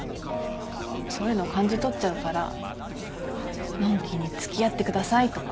そういうの感じ取っちゃうからのんきに「付き合ってください」とか言えないよ。